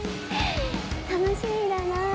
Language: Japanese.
楽しみだなぁ